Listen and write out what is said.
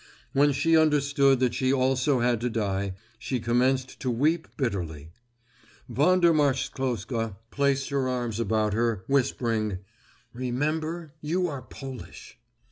When she understood that she also had to die, she commenced to weep bitterly. Wanda Marchzcloska placed her arms about her, whispering, "Remember, you are Polish."